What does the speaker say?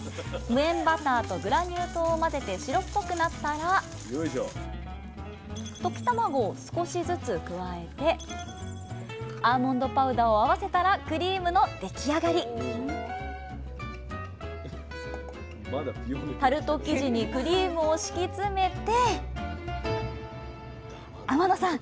無塩バターとグラニュー糖を混ぜて白っぽくなったら溶き卵を少しずつ加えてアーモンドパウダーを合わせたらクリームの出来上がりタルト生地にクリームを敷き詰めて天野さん